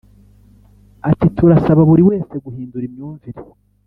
Ati “Turasaba buri wese guhindura imyumvire